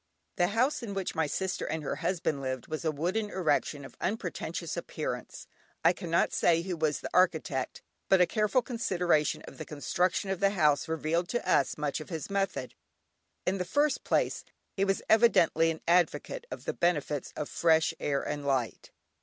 The house in which my sister and her husband lived was a wooden erection of unpretentious appearance. I cannot say who was the architect, but a careful consideration of the construction of the house revealed to us much of his method. In the first place he was evidently an advocate of the benefits of fresh air and light.